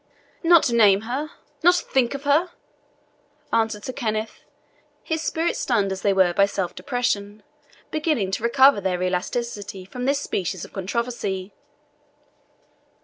"Not name not think of her!" answered Sir Kenneth, his spirits, stunned as they were by self depression, beginning to recover their elasticity from this species of controversy.